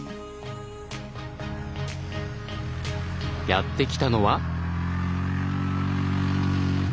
やって来たのは？